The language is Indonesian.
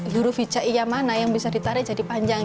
juruf hijaiya mana yang bisa ditarik jadi panjang